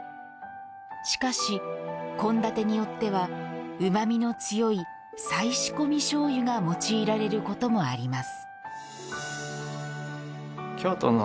しかし、献立によってはうまみの強い再仕込みしょうゆが用いられることもあります。